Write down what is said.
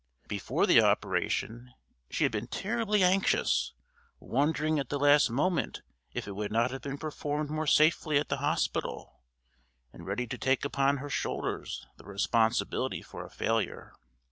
Before the operation she had been terribly anxious, wondering at the last moment if it would not have been performed more safely at the hospital, and ready to take upon her shoulders the responsibility for a failure.